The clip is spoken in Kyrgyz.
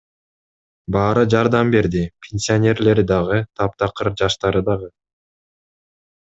Баары жардам берди — пенсионерлери дагы, таптакыр жаштары дагы.